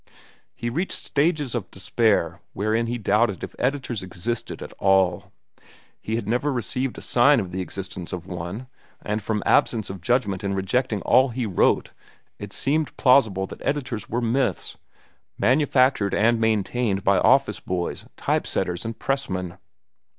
He reached stages of despair wherein he doubted if editors existed at all. He had never received a sign of the existence of one, and from absence of judgment in rejecting all he wrote it seemed plausible that editors were myths, manufactured and maintained by office boys, typesetters, and pressmen.